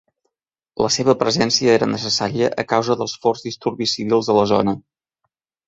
La seva presència era necessària a causa dels forts disturbis civils a la zona.